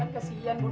kan kasihan bunda